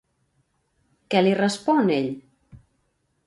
Què li respon ell?